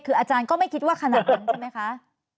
คืออาจารย์ก็ไม่คิดว่าขนาดนั้นใช่ไหมคะ